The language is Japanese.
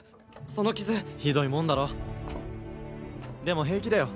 その傷ひどいもんだろでも平気だよ